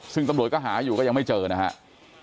ซึ่งตำรวจก็หาอยู่ก็ยังไม่เจอนะครับ